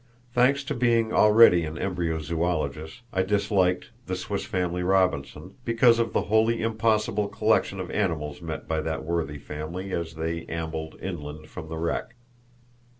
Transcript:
Thanks to being already an embryo zoologist, I disliked the "Swiss Family Robinson" because of the wholly impossible collection of animals met by that worthy family as they ambled inland from the wreck.